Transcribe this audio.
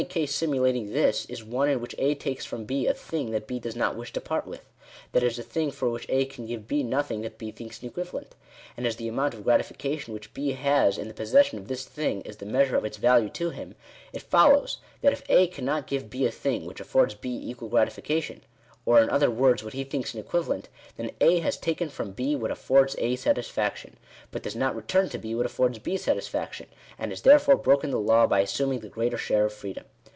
135 The qplj case simulating this, is one in which A takes from B a thing that B does not wish to part with ; that is, a thing for which A can give B nothing that B thinks an equivalent ; and as the amount of gratification which B has in the possession of this thing, is the measure of its value to him, it follows that if A cannot give B a thing which affords B equal gratification, or in other words what he thinks on equivalent, then A has taken from B what affords A satisfaction, hut does not return to B what affords B satisfaction ; and has therefore broken the law by assuming the greater share of freedom.